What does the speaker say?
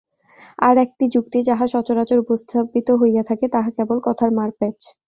আর একটি যুক্তি, যাহা সচরাচর উপস্থাপিত হইয়া থাকে, তাহা কেবল কথার মারপ্যাঁচ।